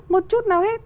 một chút nào hết